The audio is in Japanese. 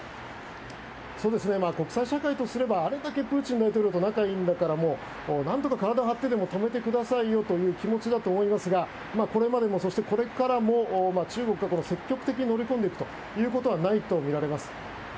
国際社会とすればあれだけプーチン大統領と仲がいいんだから何とか体を張ってでも止めてくださいよという気持ちだと思いますがこれまでもそしてこれからも中国が積極的に乗り込んでいくことはないとみられます。